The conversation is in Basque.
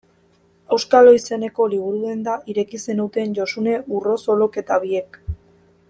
Auskalo izeneko liburu-denda ireki zenuten Josune Urrosolok eta biek.